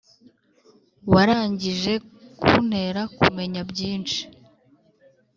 warangije kuntera kumenya byinshi